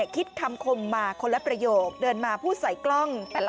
คิดคำคมมาคนละประโยคเดินมาพูดใส่กล้องแต่ละ